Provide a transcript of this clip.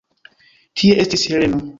Tie estis Heleno.